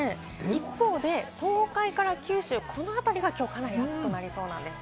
一方で東海から九州、この辺りはきょう、かなり暑くなりそうです。